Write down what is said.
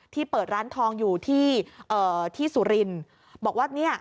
เปิดร้านทองอยู่ที่เอ่อที่สุรินทร์บอกว่าเนี่ย